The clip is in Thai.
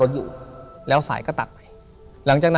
ถูกต้องไหมครับถูกต้องไหมครับ